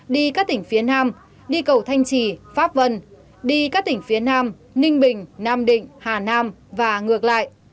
đi các tỉnh phía nam đi cầu thanh trì pháp vân đi các tỉnh phía nam ninh bình nam định hà nam và ngược lại